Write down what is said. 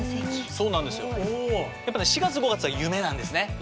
やっぱね４月５月は「夢」なんですね。